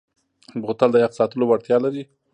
بوتل د یخ ساتلو وړتیا لري.